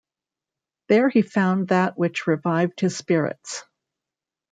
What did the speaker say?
There he found that which revived his spirits.